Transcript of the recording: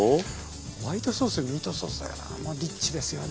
ホワイトソースにミートソースだからもうリッチですよね。